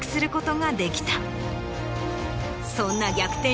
そんな逆転